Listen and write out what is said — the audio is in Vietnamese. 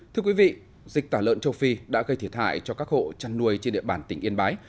thưa quý vị dịch tả lợn châu phi đã gây thiệt hại cho các hộ chăn nuôi trên địa bàn tỉnh yên bái